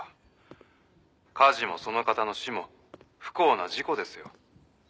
「火事もその方の死も不幸な事故ですよ」